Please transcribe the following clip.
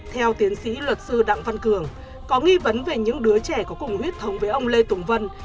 theo tiến sĩ luật sư đặng văn cường có nghi vấn về những đứa trẻ có cùng huyết thống với ông lê tùng vân